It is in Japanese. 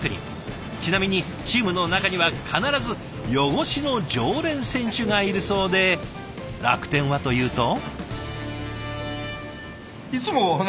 ちなみにチームの中には必ず汚しの常連選手がいるそうで楽天はというと？